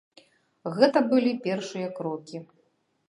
Гэта былі першыя крокі.